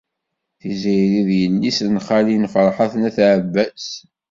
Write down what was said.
Tiziri d yelli-s n xali-s n Ferḥat n At Ɛebbas.